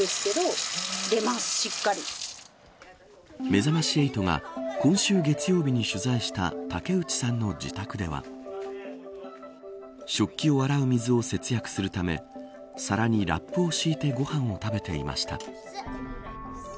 めざまし８が、今週月曜日に取材した竹内さんの自宅では食器を洗う水を節約するため皿にラップを敷いてご飯を食べていました。